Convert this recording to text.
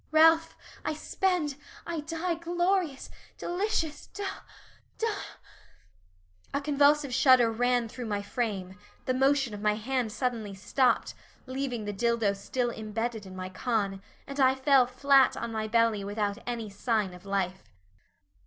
"Ralph, I spend, I die glorious delicious del del " A convulsive shudder ran through my frame the motion of my hand suddenly stopped, leaving the dildo still imbedded in my con, and I fell flat on my belly without any sign of life.